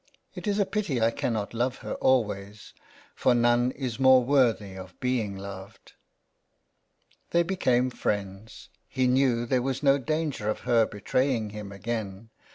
It's a pity I cannot love her always, for none is more worthy of being loved." They became friends ; he knew there was no danger of her betraying him again.